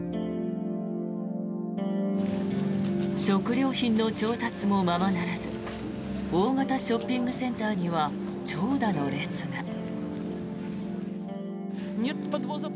食料品の調達もままならず大型ショッピングセンターには長蛇の列が。